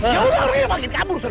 ya udah orangnya lagi kabur